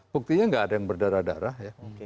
buktinya nggak ada yang berdarah darah ya